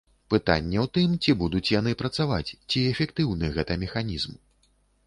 Пытанне ў тым, ці будуць яны працаваць, ці эфектыўны гэта механізм.